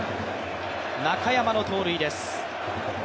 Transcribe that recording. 中山の盗塁です。